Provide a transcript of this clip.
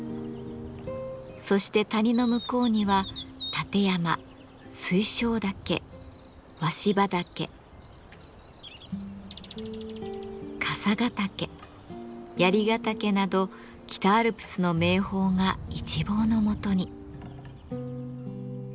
そして谷の向こうには立山水晶岳鷲羽岳笠ヶ岳槍ヶ岳など北アルプスの名峰が一望のもとに。